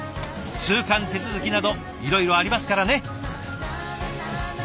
通関手続きなどいろいろありますからね。